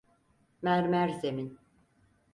Mermer zemin.